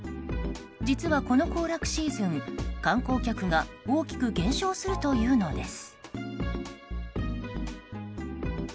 実は、この行楽シーズン観光客が大きく減少するというのです。